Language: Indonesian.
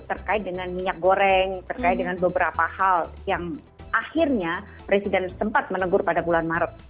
terkait dengan minyak goreng terkait dengan beberapa hal yang akhirnya presiden sempat menegur pada bulan maret